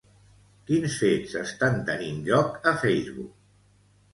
Quins fets estan tenint lloc a Facebook?